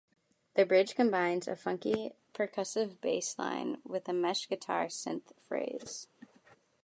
The bridge combines a funky, percussive bass line with a meshed guitar synth phrase.